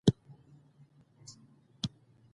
د ژور دماغي تحريک تخنیک لا دمخه کارېږي.